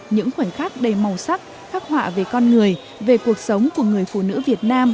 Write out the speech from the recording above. những khoảnh khắc đầy màu sắc khắc họa về con người về cuộc sống của người phụ nữ việt nam